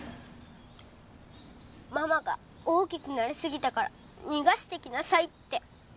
ママが大きくなりすぎたから逃がしてきなさいって。